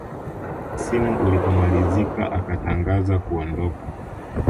msimu ulipomalizika akatangaza kuondoka